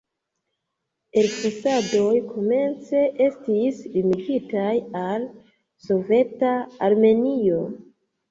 Elfosadoj komence estis limigitaj al soveta Armenio.